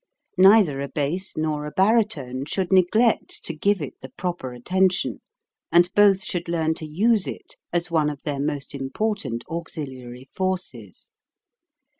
Neither a bass nor a baritone should neglect to give it the proper attention, and both should learn to use it as one of their most important auxiliary forces.